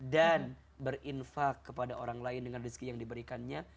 dan berinfak kepada orang lain dengan rezeki yang diberikannya